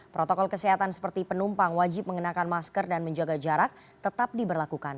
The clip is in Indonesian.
protokol kesehatan seperti penumpang wajib mengenakan masker dan menjaga jarak tetap diberlakukan